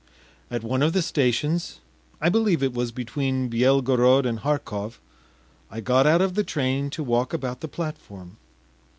At one of the stations, I believe it was between Byelgorod and Harkov, I got out of the tram to walk about the platform.